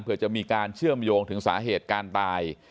เพื่อจะมีการเชื่อมโยงถึงสาเหตุการตาย